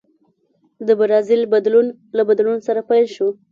د برازیل بدلون له بدلون سره پیل شو.